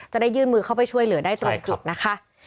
จะได้ยื่นมือเข้าไปช่วยเหลือได้ตรงจุดนะคะ